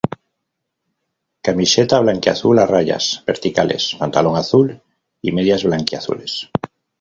Camiseta blanquiazul a rayas verticales, pantalón azul y medias blanquiazules.